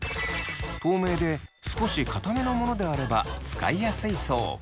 透明で少しかためのものであれば使いやすいそう。